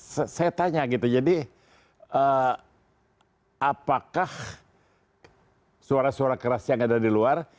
saya tanya gitu jadi apakah suara suara keras yang ada di luar